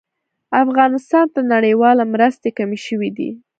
افغانستان ته نړيوالې مرستې کمې شوې دي